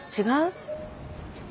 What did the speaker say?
違う？